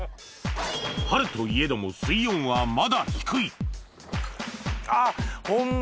春といえども水温はまだ低いあぁホンマ